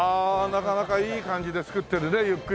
なかなかいい感じで造ってるねゆっくりね。